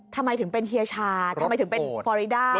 ทำไมถึงเป็นเฮียชาทำไมถึงเป็นฟอริดา